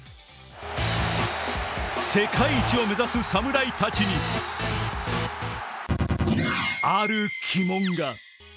世界一を目指す侍たちに、ある鬼門が。